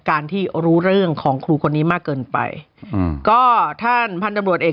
การที่รู้เรื่องของครูคนนี้มากเกินไปอืมก็ท่านพันธุ์ตำรวจเอก